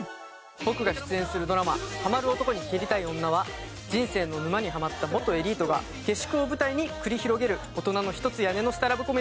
僕が出演するドラマ『ハマる男に蹴りたい女』は人生の沼にハマった元エリートが下宿を舞台に繰り広げる大人の一つ屋根の下ラブコメディーです。